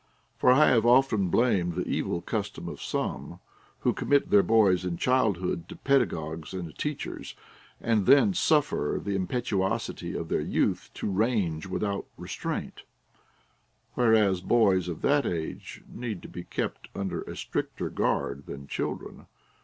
For I have often blamed the evil custom of some, Avho commit their boys in childhood to pedagogues and teachers, and then suffer the impetuosity of their youth to range Avithout restraint ; Avhereas boys of that age need to be kept under a stricter guard than children.